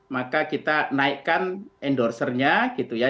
maka kita naikkan endorsernya gitu ya